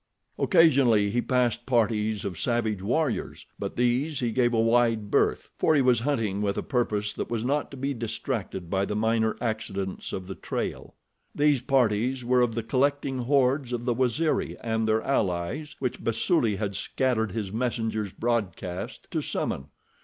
Occasionally he passed parties of savage warriors; but these he gave a wide berth, for he was hunting with a purpose that was not to be distracted by the minor accidents of the trail. These parties were of the collecting hordes of the Waziri and their allies which Basuli had scattered his messengers broadcast to summon.